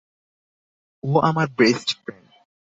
ও আমার best friend.